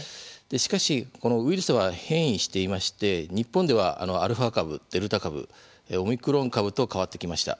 しかし、ウイルスは変異していまして日本ではアルファ株、デルタ株オミクロン株と変わってきました。